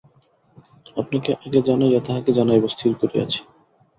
আপনাকে আগে জানাইয়া তাঁহাকে জানাইব স্থির করিয়াছি।